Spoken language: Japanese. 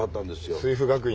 あ水府学院